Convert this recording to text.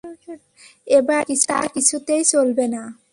এবারে তা কিছুতেই চলবে না।